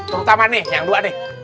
terutama nih yang dua nih